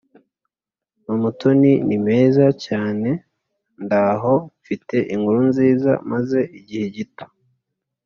Umutoni Ni meza cyane ndaho Mfite inkuru nziza Maze igihe gito